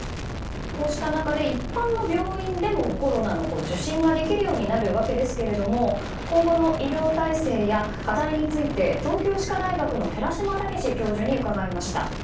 こうした中で一般の病院でもコロナの受診ができるようになるわけですが今後の医療体制や課題について東京歯科大学の寺嶋毅教授に伺いました。